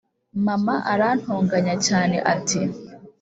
mama arantonganya cyane ati